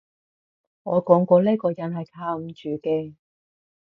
我講過呢個人係靠唔住嘅